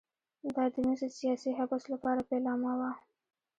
دا د وینز د سیاسي حبس لپاره پیلامه وه